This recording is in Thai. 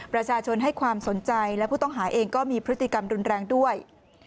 ประชาชนให้ความสนใจและผู้ต้องหาเองก็มีพฤติกรรมรุนแรงด้วย